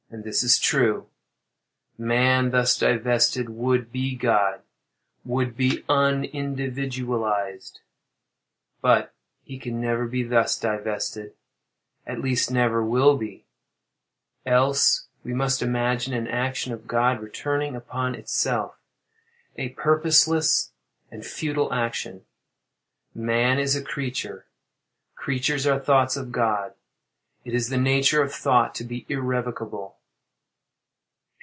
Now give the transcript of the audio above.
_ And this is true. Man thus divested would be God—would be unindividualized. But he can never be thus divested—at least never will be—else we must imagine an action of God returning upon itself—a purposeless and futile action. Man is a creature. Creatures are thoughts of God. It is the nature of thought to be irrevocable.